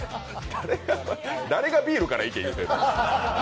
誰がビールからいけ言うてんねん。